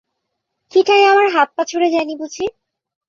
কীটায় আমার হাতপা ছড়ে যায় নি বুঝি?